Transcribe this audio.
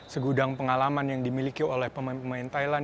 segudang pengalaman yang dimiliki oleh pemain pemain thailand